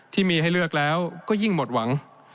ที่มีให้เลือกแล้วก็ยิ่งหมดหวัง